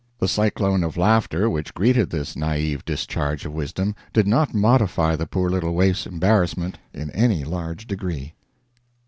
The cyclone of laughter which greeted this naïve discharge of wisdom did not modify the poor little waif's embarrassment in any large degree.